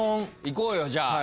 いこうよじゃあ。